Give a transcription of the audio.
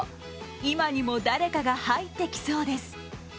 今にも誰かが入ってきそうです。